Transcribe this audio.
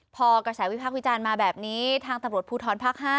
พอกระแสวิพากษ์วิจารณ์มาแบบนี้ทางตำรวจภูทรภาค๕